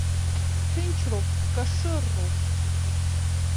Ҭынчроуп, кашырроуп!